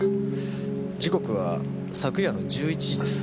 時刻は昨夜の１１時です。